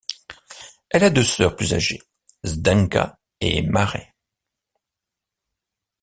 Elle a deux sœurs plus âgées, Zdenka et Mare.